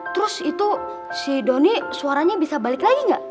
terus itu si doni suaranya bisa balik lagi nggak